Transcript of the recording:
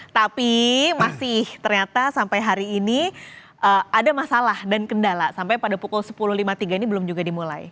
tapi masih ternyata sampai hari ini ada masalah dan kendala sampai pada pukul sepuluh lima puluh tiga ini belum juga dimulai